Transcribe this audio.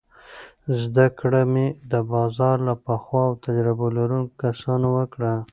زده کړه مې د بازار له پخو او تجربه لرونکو کسانو وکړه.